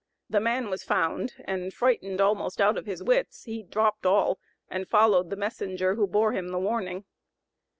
The man was found, and, frightened almost out of his wits, he dropped all and followed the messenger, who bore him the warning.